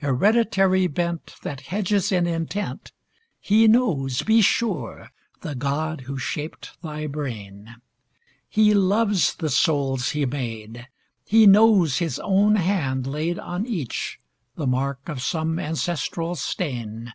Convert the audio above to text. Hereditary bentThat hedges in intentHe knows, be sure, the God who shaped thy brain. He loves the souls He made; He knows His own hand laidOn each the mark of some ancestral stain.